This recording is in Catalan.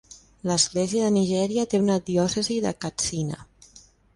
L'Església de Nigèria té una diòcesi de Katsina.